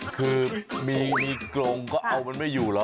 คือมีกรงก็เอามันไม่อยู่หรอ